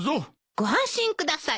ご安心ください。